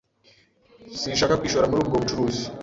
Sinshaka kwishora muri ubwo bucuruzi.